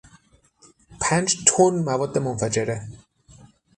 پنج تن مواد منفجره